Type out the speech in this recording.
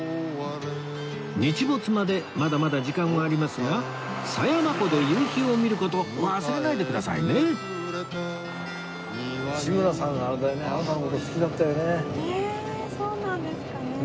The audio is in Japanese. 日没までまだまだ時間はありますが狭山湖で夕日を見る事忘れないでくださいねへえそうなんですかね？